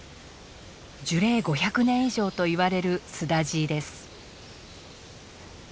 樹齢５００年以上といわれるスダジイです。